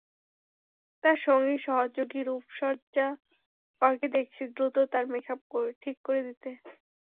তাঁর সঙ্গী সহযোগী রূপসজ্জাকরকে দেখছি দ্রুত তাঁর মেকআপ ঠিক করে দিতে।